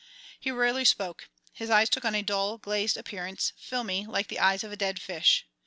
He rarely spoke; his eyes took on a dull, glazed appearance, filmy, like the eyes of a dead fish.